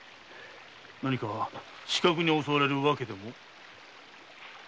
何か刺客に襲われる訳でも？